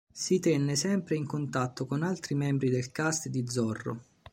Si tenne sempre in contatto con altri membri del cast di "Zorro".